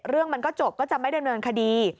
เรื่องมันก็จบก็จะไม่ดำเนินคดี